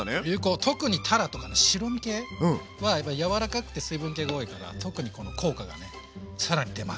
特にたらとかね白身系は柔らかくて水分けが多いから特にこの効果がね更に出ます。